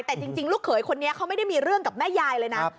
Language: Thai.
แต่จริงลูกเขยคนนี้เขาไม่ได้มีเรื่องกับแม่ยายเลยนะ